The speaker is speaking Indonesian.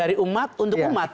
dari umat untuk umat